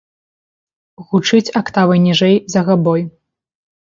Гучыць актавай ніжэй за габой.